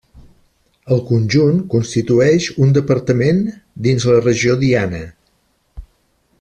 El conjunt constitueix un departament dins la regió Diana.